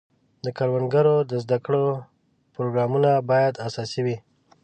د کروندګرو د زده کړو پروګرامونه باید اساسي وي.